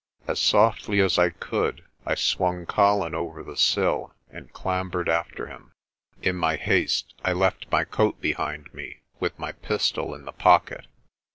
As softly as I could I swung Colin over the sill and clambered after him. In my haste I left my coat behind me with my pistol in the pocket.